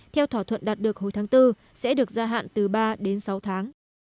theo thỏa thuận đạt được hồi tháng bốn sẽ được gia hạn từ ba đến sáu tháng